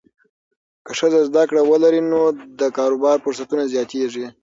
که ښځه زده کړه ولري، نو د کاروبار فرصتونه زیاتېږي.